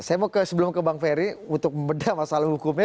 saya mau ke sebelum ke bang ferry untuk membedah masalah hukumnya